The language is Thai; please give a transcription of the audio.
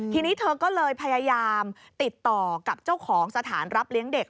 ทีนี้เธอก็เลยพยายามติดต่อกับเจ้าของสถานรับเลี้ยงเด็ก